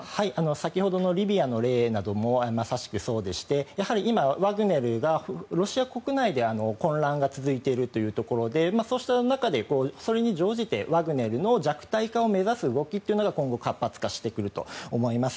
先ほどのリビアの例などもまさしくそうでしてやはり今、ワグネルがロシア国内で混乱が続いているというところでそうした中でそれに乗じてワグネルの弱体化を目指す動きが今後、活発化してくると思います。